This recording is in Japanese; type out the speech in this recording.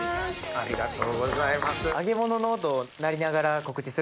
ありがとうございます。